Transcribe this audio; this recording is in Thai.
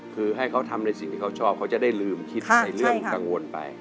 คือให้เขาทำในสิ่งที่เขาชอบเขาจะได้ลืมคิดในเรื่องกังวลไป